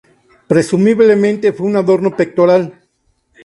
Presumiblemente fue un adorno pectoral.